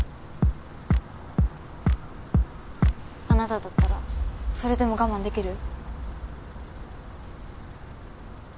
あなただったらそれでも我慢できる？